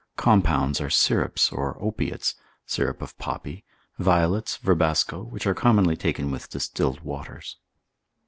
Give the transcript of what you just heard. Compounds are syrups, or opiates, syrup of poppy, violets, verbasco, which are commonly taken with distilled waters.